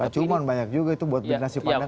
cuma banyak juga itu buat berhasil pandang